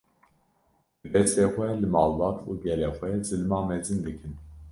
bi destê xwe li malbat û gelê xwe zilma mezin dikin